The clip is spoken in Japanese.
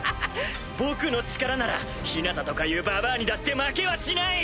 僕の力ならヒナタとかいうババアにだって負けはしない！